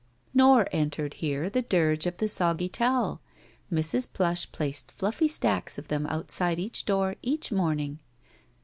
Nor entered here the dirge of the soggy towel; Mrs. Plush placed flti£Ey stacks of them outside each door each morning.